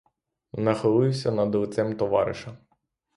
Нахилився над лицем товариша.